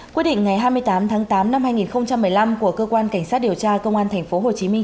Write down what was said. quyết định ngày hai mươi tám tháng tám năm hai nghìn một mươi năm của cơ quan cảnh sát điều tra công an thành phố hồ chí minh